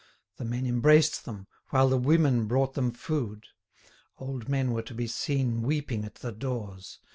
The men embraced them, while the women brought them food. Old men were to be seen weeping at the doors.